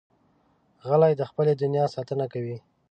غلی، د خپلې دنیا ساتنه کوي.